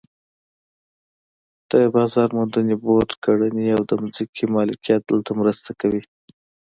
د بازار موندنې بورډ کړنې او د ځمکو مالکیت دلته مرسته کوي.